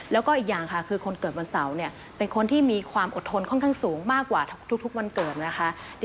แล้วก็อีกอย่างค่ะคือคนเกิดวันเสาร์เป็นคนที่มีความอดทนค่อนข้างสูงมากกว่าทุกวันเกิดนะคะ